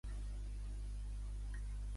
Demà passat en Josep vol anar a Penàguila.